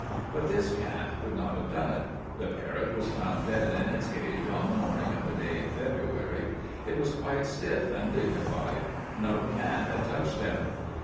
But this cat could not have done it. The parrot was found dead in its cage on the morning of a day in February. It was quite stiff and dignified. No cat had touched him.